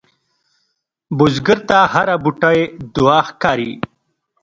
بزګر ته هره بوټۍ دعا ښکاري